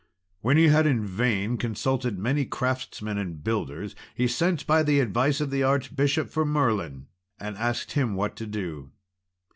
When he had in vain consulted many craftsmen and builders, he sent, by the advice of the archbishop, for Merlin, and asked him what to do.